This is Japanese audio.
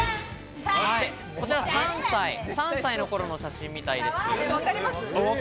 こちら、３歳の頃の写真みたいです。